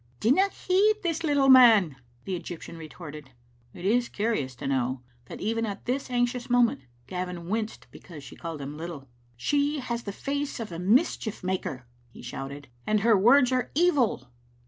''Dinna heed this little man/' the Egyptian retorted. It is curious to know that even at that anxious moment Gavin winced because she called him little. *' She has the face of a mischief maker," he shouted, "and her words are evil."